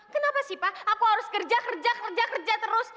kenapa sih pak aku harus kerja kerja kerja kerja terus